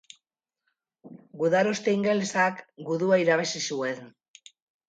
Gudaroste ingelesak gudua irabazi zuen.